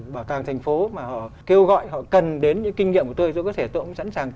bảo tàng thành phố mà họ kêu gọi họ cần đến những kinh nghiệm của tôi tôi có thể tôi cũng sẵn sàng